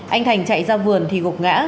anh thành chạy ra vườn thì gục ngã